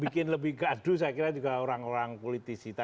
bikin lebih gaduh saya kira juga orang orang politisi